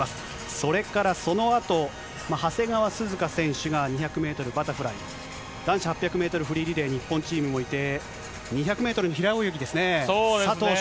それからそのあと、長谷川涼香選手が２００メートルバタフライ、男子８００メートルフリーリレー、日本チームもいて、２００メートルの平泳ぎですね、佐藤翔